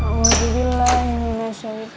pusing gue deh